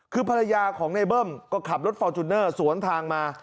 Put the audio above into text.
คือภรรยาของในเบิ้มก็ขับรถฟอร์จูเนอร์สวนทางมา